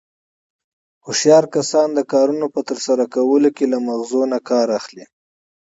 هوښیار کسان د کارنو په ترسره کولو کې له مغزو نه کار اخلي.